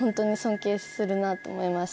するなと思いました。